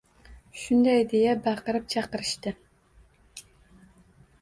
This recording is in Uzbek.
Shunday deya baqirib-chaqirishardi.